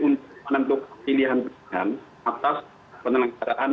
untuk pilihan pilihan atas penelenggaraan